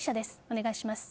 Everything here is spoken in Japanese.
お願いします。